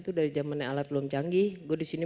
itu dari zamannya alat belum canggih gue disini